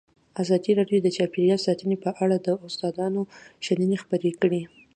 ازادي راډیو د چاپیریال ساتنه په اړه د استادانو شننې خپرې کړي.